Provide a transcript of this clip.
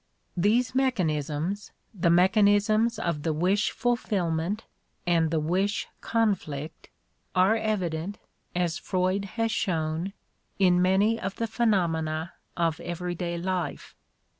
These mechan isms, the mechanisms of the "wish fulfillment" and the "wish conflict," are evident, as Freud has shown, in many of the phenomena of everyday life.